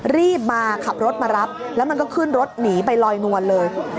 รีบมาขับรถมารับแล้วมันก็ขึ้นรถหนีไปลอยนวลเลย